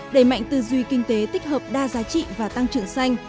đẩy mạnh tư duy kinh tế tích hợp đa giá trị và tăng trưởng xanh